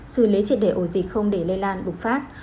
xử lý triệt để ổ dịch không để lây lan bục phát